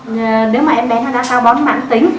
nếu mà em bé nó đã táo bón mãn tính